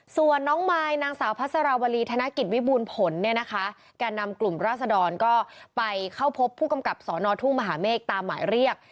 ส่วนน้องมายนางสาวพัสราวรีธนกิจวิบูรณ์ผลเนี่ยนะคะแก่นำกลุ่มราศดรก็ไปเข้าพบผู้กำกับสอนอทุ่งมหาเมฆตามหมายเรียก